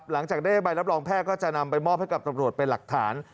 หลังจากได้ใบรับรองแพทย์ก็จะนำไปมอบให้กับตำรวจเป็นหลักฐาน